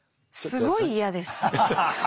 すごい嫌です。